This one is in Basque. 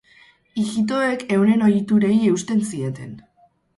Ijitoek euren ohiturei eusten zieten.